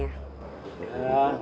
ya banyak banget